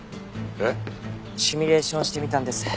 えっ？シミュレーションしてみたんです。